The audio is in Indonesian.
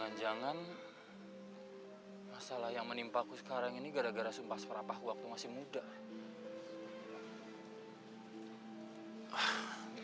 allah itu melahanat pada orang orang yang berperasaan gak buruk